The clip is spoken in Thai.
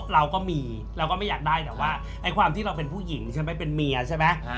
เราก็มีเราก็ไม่อยากได้แต่ว่าความที่เราเป็นผู้หญิงใช่ไหมเป็นเมียใช่ไหม